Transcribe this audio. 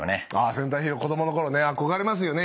戦隊ヒーロー子供のころ憧れますね